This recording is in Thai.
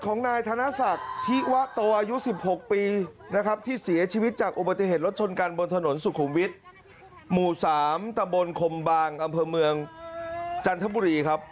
ของนายธนศักดิ์ธิวะโตอายุ๑๖ปีนะครับที่เสียชีวิตจากอุบัติเหตุรถชนกันบนถนนสุขุมวิทย์หมู่๓ตะบนคมบางอำเภอเมืองจันทบุรีครับ